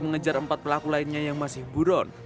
mengejar empat pelaku lainnya yang masih buron